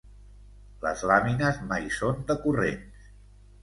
Les làmines mai són decurrents.